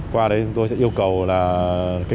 qua đấy chúng tôi sẽ yêu cầu là